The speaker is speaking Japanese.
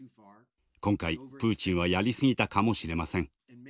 今回プーチンはやりすぎたかもしれません。